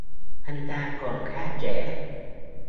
Anh ta còn khá trẻ